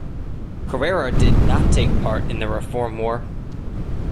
Carrera did not take part in the Reform War.